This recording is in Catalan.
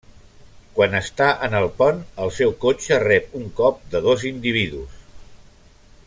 Quan està en el pont, el seu cotxe rep un cop de dos individus.